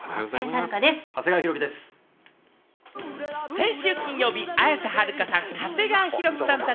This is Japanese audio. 先週金曜日、綾瀬はるかさん、長谷川博己さんら